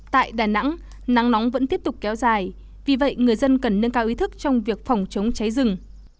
tại đà nẵng nắng nóng vẫn tiếp tục kéo dài vì vậy người dân cần nâng cao ý thức trong việc phòng chống cháy rừng